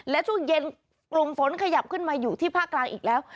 และช่วงเย็นกลุ่มฝนขยับขึ้นมาอยู่ที่ภาคกลางอีกแล้ว